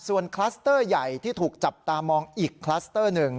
ส่วนคลัสเตอร์ใหญ่ที่ถูกจับตามองอีกคลัสเตอร์หนึ่ง